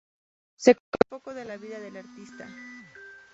Se conoce poco de la vida del artista.